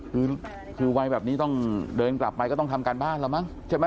คือวัยแบบนี้ต้องเดินกลับไปก็ต้องทำการบ้านแล้วมั้งใช่ไหม